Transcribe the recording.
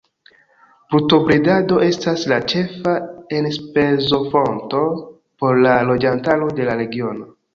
Brutobredado estas la ĉefa enspezofonto por la loĝantaro de la regiono.